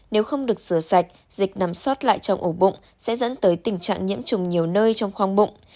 nếu không được rửa sạch dịch nằm sót lại trong ổ bụng sẽ dẫn tới tình trạng nhiễm trùng nhiều nơi trong khoang bụng